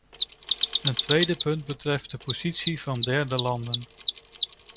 Een tweede punt betreft de positie van derde landen.